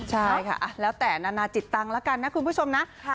ใช่ค่ะแล้วแต่นานาจิตตังค์แล้วกันนะคุณผู้ชมนะ